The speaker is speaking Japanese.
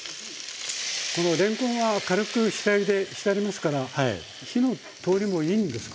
このれんこんは軽く下ゆでしてありますから火の通りもいいんですか？